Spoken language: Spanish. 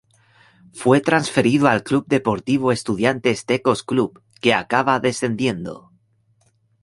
Fue transferido al Club Deportivo Estudiantes Tecos club que acaba descendiendo.